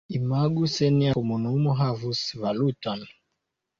Imagu se nia komunumo havus valuton.